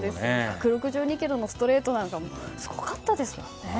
１６２キロのストレートなんかすごかったですね。